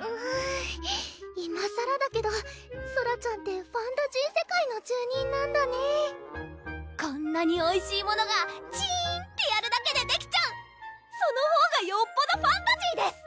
うんいまさらだけどソラちゃんってファンタジー世界の住人なんだねぇこんなにおいしいものがチーンってやるだけでできちゃうそのほうがよっぽどファンタジーです！